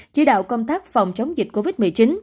chỉ đạo công tác phòng chống dịch covid một mươi chín